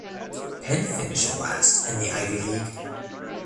Penn finished last in the Ivy League.